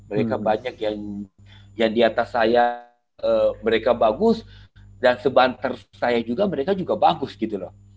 mereka banyak yang di atas saya mereka bagus dan sebantar saya juga mereka juga bagus gitu loh